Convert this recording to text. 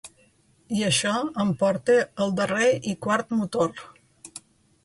I això em porta al darrer i quart motor.